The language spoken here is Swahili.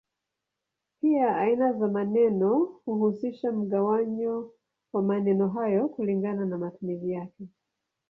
Pia aina za maneno huhusisha mgawanyo wa maneno hayo kulingana na matumizi yake.